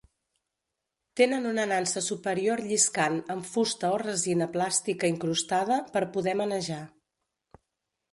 Tenen una nansa superior lliscant amb fusta o resina plàstica incrustada per poder manejar.